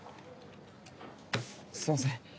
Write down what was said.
すみません。